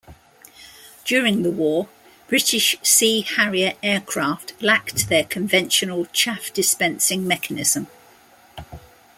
During the war, British Sea Harrier aircraft lacked their conventional chaff-dispensing mechanism.